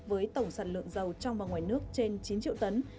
với tổng sản lượng dầu trong và ngoài nước trên chín triệu tấn